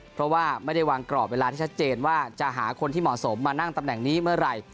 เพราะว่าไม่ได้วางกรอบเวลาที่ชัดเจนว่าจะหาคนที่เหมาะสมมานั่งตำแหน่งนี้เมื่อไหร่